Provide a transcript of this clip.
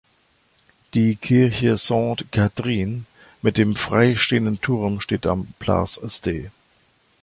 Die "Kirche Sainte Catherine" mit dem freistehenden Turm steht am Place Ste.